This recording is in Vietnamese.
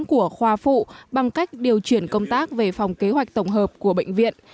của khoa phụ bằng cách điều chuyển công tác về phòng kế hoạch tổng hợp của bệnh viện